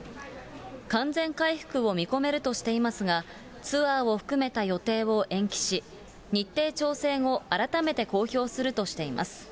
完全回復を見込めるとしていますが、ツアーを含めた予定を延期し、日程調整後、改めて公表するとしています。